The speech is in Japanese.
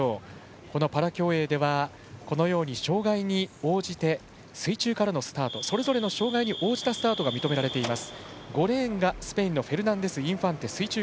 このパラ競泳ではこのように障がいに応じて水中からのスタートそれぞれの障がいに応じたスタートが認められています。